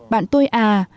bạn tôi à